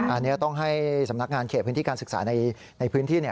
อันนี้ต้องให้สำนักงานเขตพื้นที่การศึกษาในพื้นที่